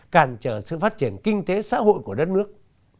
càn trở sự phát triển kinh tế xã hội của đất nước